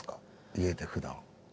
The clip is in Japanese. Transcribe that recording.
家でふだん。